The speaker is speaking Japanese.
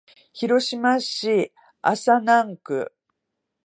広島市安佐南区